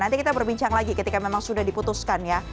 nanti kita berbincang lagi ketika memang sudah diputuskan ya